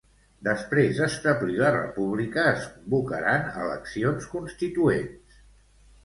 Després d'establir la república es convocaran eleccions constituents.